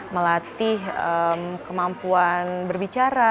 melatih kemampuan berbicara